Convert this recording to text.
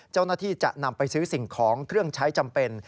เจ้าหน้าที่จะนำไปซื้อสิ่งของเครื่องใช้จำเป็น